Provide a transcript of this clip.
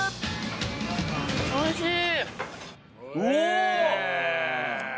・おいしい。